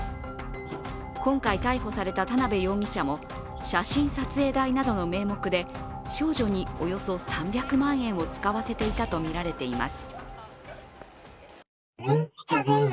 今回逮捕された田辺容疑者も、写真撮影代などの名目で少女におよそ３００万円を使わせていたとみられています。